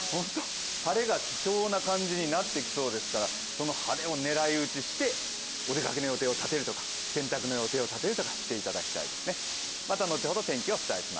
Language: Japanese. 晴れが貴重な感じになってきそうですから、その晴れを狙い撃ちしてお出かけの予定を立てるとか洗濯の予定を立てるとかしてほしいですね。